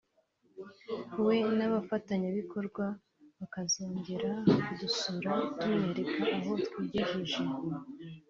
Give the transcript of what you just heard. we n’abafatanyabikorwa bakazongera kudusura tumwereka aho twigejeje